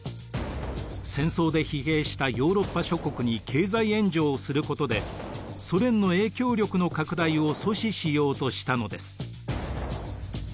戦争で疲弊したヨーロッパ諸国に経済援助をすることでソ連の影響力の拡大を阻止しようとしたのです。